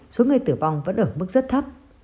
số người tử vong vẫn ở mức rất thấp